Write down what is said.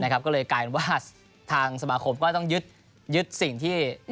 ก็เลยกลายเป็นว่าทางสมาคมก็ต้องยึดสิ่งที่